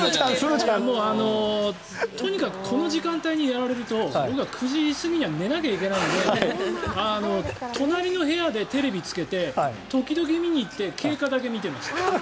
とにかくこの時間帯にやられると僕は９時過ぎには寝なきゃいけないので隣の部屋でテレビつけて時々、見に行って経過だけ見てました。